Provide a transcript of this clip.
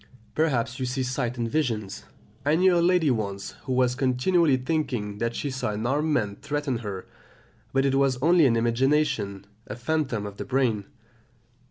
Perhaps you see sights and visions; I knew a lady once who was continually thinking that she saw an armed man threaten her, but it was only an imagination, a phantom of the brain.